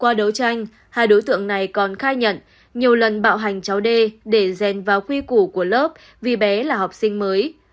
qua đấu tranh hai đối tượng này còn khai nhận nhiều lần bạo hành cháu d để ghen vào khuy củ của lớp vì bé là học sinh mới